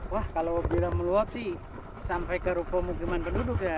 wah kalau bilang meluap sih sampai ke pemukiman penduduk ya